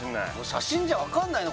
写真じゃ分かんないな